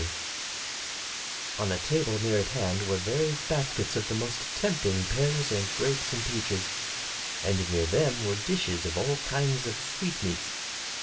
37 MY BOOK HOUSE On a table near at hand were various baskets of the most tempting pears and grapes and peaches, and near them were dishes of all kinds of sweetmeats.